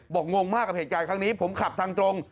งงมากกับเหตุการณ์ครั้งนี้ผมขับทางตรง